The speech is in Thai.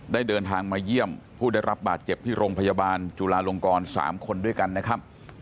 เดินทางมาเยี่ยมผู้ได้รับบาดเจ็บที่โรงพยาบาลจุลาลงกร๓คนด้วยกันนะครับ